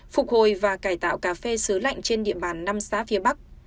phục hồi và cải tạo cà phê sứ lạnh trên điểm bàn năm xá phía bắc